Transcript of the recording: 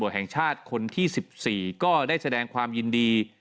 แห่งชาติคนที่๑๔ก็ได้แสดงความยินดี